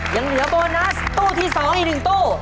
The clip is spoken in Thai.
ยังเหลือโบนัสตู้ที่๒อีก๑ตู้